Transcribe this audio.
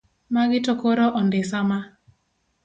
Magi to koro ondisama.